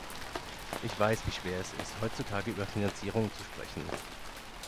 Ich weiß, wie schwer es ist, heutzutage über Finanzierungen zu sprechen.